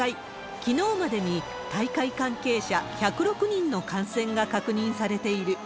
きのうまでに大会関係者１０６人の感染が確認されている。